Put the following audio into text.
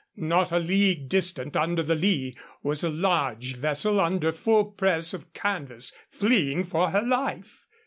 Not a league distant under the lee was a large vessel under full press of canvas, fleeing for her life.